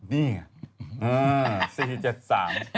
นี่อ่ะ๔๗๓